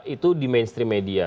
itu di mainstream media